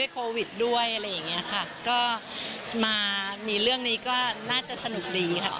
ก็มามีเรื่องนี้ก็น่าจะสนุกดีค่ะ